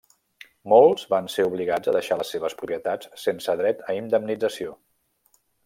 Molts van ser obligats a deixar les seves propietats sense dret a indemnització.